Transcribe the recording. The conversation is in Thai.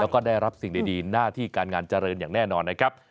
แล้วก็ได้รับสิ่งดีหน้าที่การงานเจริญอย่างแน่นอนนะครับ